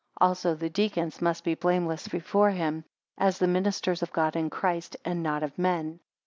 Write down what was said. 10 Also the deacons must be blameless before him, as the ministers of God in Christ, and not of men.